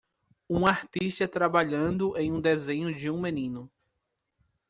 Um artista trabalhando em um desenho de um menino.